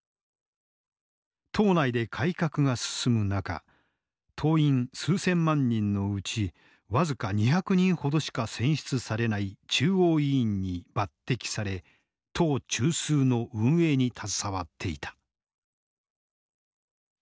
党内で改革が進む中党員数千万人のうち僅か２００人ほどしか選出されない中央委員に抜てきされ党中枢の運営に携わっていた。